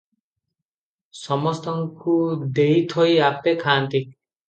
ସମସ୍ତଙ୍କୁ ଦେଇ ଥୋଇ ଆପେ ଖାଆନ୍ତି ।